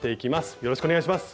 よろしくお願いします。